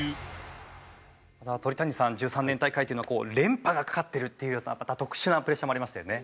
鳥谷さん２０１３年大会っていうのは連覇がかかってるっていう特殊なプレッシャーもありましたよね。